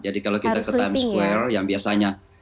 jadi kalau kita ke times square yang biasanya